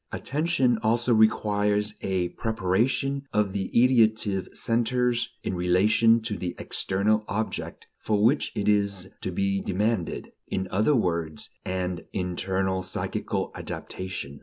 Attention also requires a preparation of the ideative centers in relation to the external object for which it is to be demanded: in other words, an internal, psychical "adaptation."